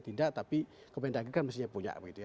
tidak tapi kemendagang kan mestinya punya